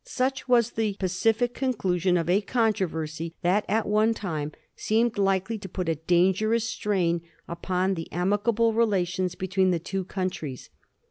Such was the pacific conclusion of a controversy that at one time seemed likely to put a dangerous strain upon the amicable relations between the two countries.